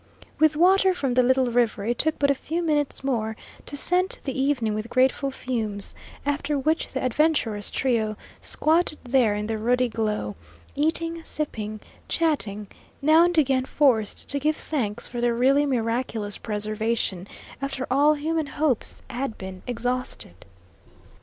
With water from the little river, it took but a few minutes more to scent the evening with grateful fumes, after which the adventurous trio squatted there in the ruddy glow, eating, sipping, chatting, now and again forced to give thanks for their really miraculous preservation after all human hopes had been exhausted.